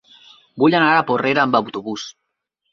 Vull anar a Porrera amb autobús.